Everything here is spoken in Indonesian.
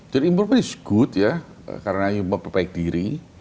jadi improvement is good ya karena memperbaiki diri